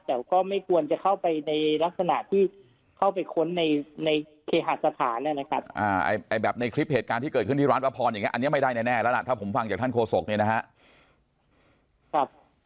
แต่ก็ไม่ควรจะเข้าไปในลักษณะที่เข้าไปค้นในเคหาสถานนะครับแบบในคลิปเหตุการณ์ที่เกิดขึ้นที่ร้านป้าพรอย่างนี้อันนี้ไม่ได้แน่แล้วล่ะถ้าผมฟังจากท่านโฆษกเนี่ยนะครับ